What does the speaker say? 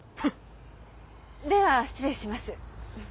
では失礼します。